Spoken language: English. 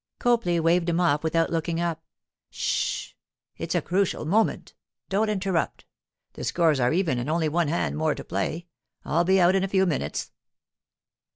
Copley waved him off without looking up. 'Sh—it's a crucial moment. Don't interrupt. The scores are even and only one hand more to play. I'll be out in a few minutes.